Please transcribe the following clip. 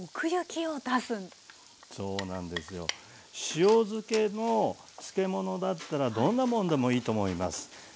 塩漬けの漬物だったらどんなもんでもいいと思います。